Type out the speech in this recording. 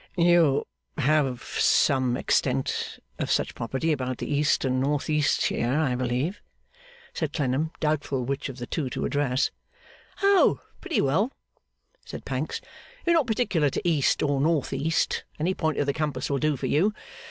'You have some extent of such property about the east and north east here, I believe?' said Clennam, doubtful which of the two to address. 'Oh, pretty well,' said Pancks. 'You're not particular to east or north east, any point of the compass will do for you.